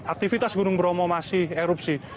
aktivitas gunung bromo masih erupsi